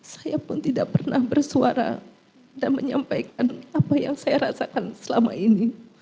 saya pun tidak pernah bersuara dan menyampaikan apa yang saya rasakan selama ini